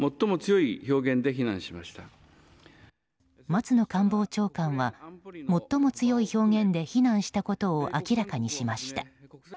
松野官房長官は最も強い表現で非難したことを明らかにしました。